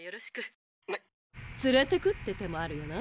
連れてくって手もあるよな。